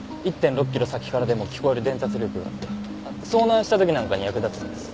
１．６キロ先からでも聞こえる伝達力があって遭難した時なんかに役立つんです。